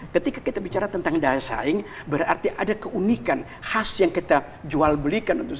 ketika kita bicara tentang daya saing berarti ada keunikan khas yang kita jual belikan untuk